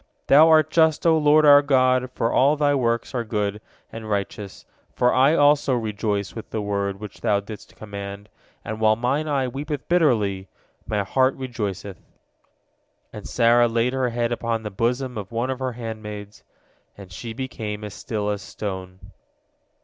Thou art just, O Lord our God, for all Thy works are good and righteous, for I also rejoice with the word which Thou didst command, and while mine eye weepeth bitterly, my heart rejoiceth." And Sarah laid her head upon the bosom of one of her handmaids, and she became as still as a stone.